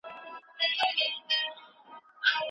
موږ پيسې حسابو.